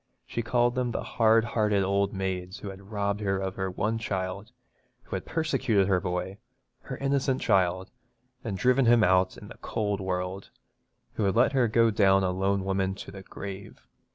She called them the hard hearted ould maids who had robbed her of her one child, who had persecuted her boy her innocent child, and driven him out in the cold world, who had left her to go down a lone woman to the grave.